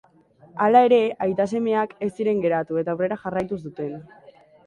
Hala ere, aita-semeak ez ziren geratu eta aurrera jarraitu zuten.